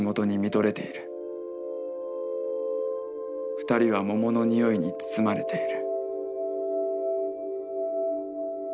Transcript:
二人は桃の匂いに包まれている」。